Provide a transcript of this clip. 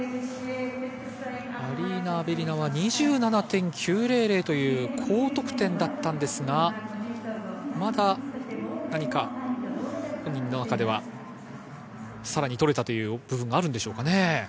アリーナ・アベリナは２７．９００という高得点だったのですがまだ何か、本人の中ではさらに取れたという部分があるのでしょうかね。